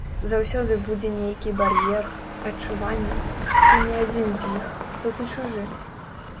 Заўсёды будзе нейкі бар'ер, адчуванне, што ты не адзін з іх, што ты чужы.